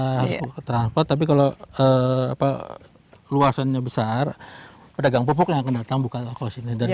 harus belanja ke transport tapi kalau luasannya besar pedagang pupuk yang akan datang buka kawasan ini